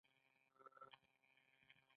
وچکالي یوه لویه ستونزه ده